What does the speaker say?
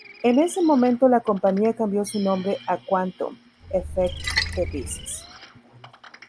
En ese momento la compañía cambió su nombre a Quantum Effect Devices.